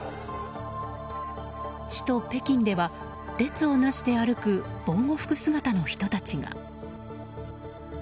首都・北京では、列をなして歩く防護服姿の人たちが。